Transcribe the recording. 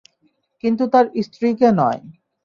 কিন্তু তার স্ত্রীকে নয়।